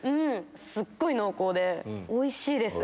すっごい濃厚でおいしいです。